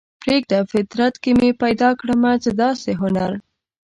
پریږده فطرت کې مې پیدا کړمه څه داسې هنر